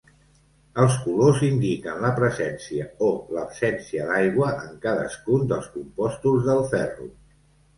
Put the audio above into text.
Els colors indiquen la presència o l'absència d'aigua en cadascun dels compostos del ferro.